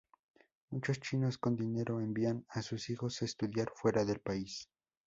Muchos chinos con dinero envían a sus hijos a estudiar fuera del país.